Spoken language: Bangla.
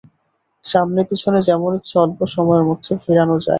সামনে পিছনে যেমন ইচ্ছা অল্প সময়ের মধ্যে ফিরানো যায়।